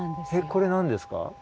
これ何ですか？